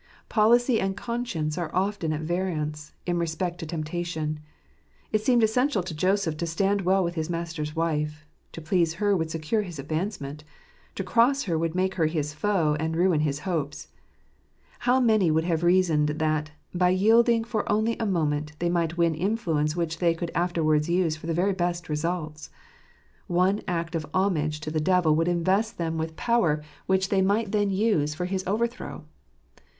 Policy and conscience a? e often at variance in respect to j temptation. It seemed essential to Joseph to stand well J with his master's wife. To please her would secure his j advancement. To cross her would make her his foe, and ^ ruin his hopes. How many would have reasoned that, by j, yielding for only a moment, they might win influence which .j they could afterwards use for the very best results I One j act of homage to the devil would invest them with power J 37 ®Ije 3teas0tthtj3 of fpnliqr. which they might then use for his overthrow.